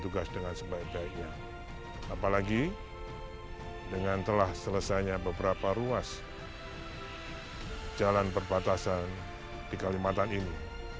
tugas dengan sebaik baiknya apalagi dengan telah selesainya beberapa ruas jalan perbatasan di kalimantan ini